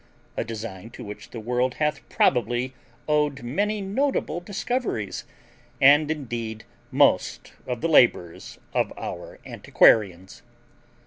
A design to which the world hath probably owed many notable discoveries, and indeed most of the labours of our antiquarians.